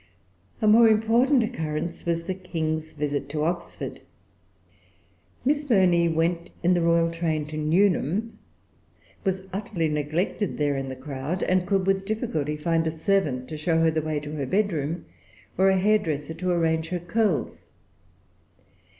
A more important occurrence was the King's visit to Oxford. Miss Burney went in the royal train to Nuneham, was utterly neglected there in the crowd, and could with difficulty find a servant to show the way to her bedroom, or a hairdresser to arrange her curls.